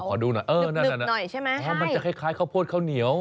ขอดูหน่อยใช่ไหมมันจะคล้ายข้าวโพดข้าวเหนียว